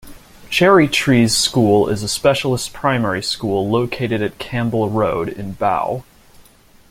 Cherry Trees School is a specialist primary school located at Campbell Road in Bow.